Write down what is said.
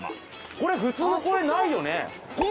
これ普通の公園ないよね？